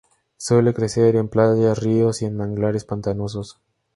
Suele crecer en playas, ríos y en mangles pantanosos.